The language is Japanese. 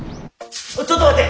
ちょっと待って！